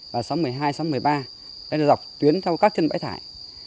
đây là dọc tuyến theo các chân bãi thải